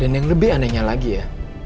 dan yang lebih anehnya lagi ya